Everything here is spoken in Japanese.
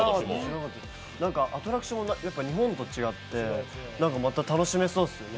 なんかアトラクションが日本と違ってなんかまた、楽しめそうですよね。